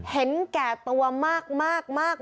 เห็นแก่ตัวมาก